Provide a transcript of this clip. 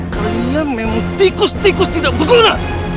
kalian memang tikus tikus tidak bergerak